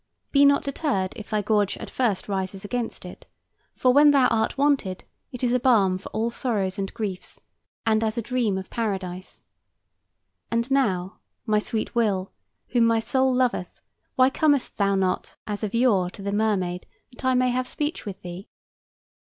Be not deterred if thy gorge at first rises against it, for, when thou art wonted, it is a balm for all sorrows and griefs, and as a dream of Paradise. And now, my sweet Will, whom my soul loveth, why comest thou not as of yore to the "Mermaid," that I may have speech with thee?